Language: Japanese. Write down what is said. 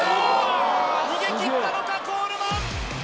逃げ切ったのかコールマン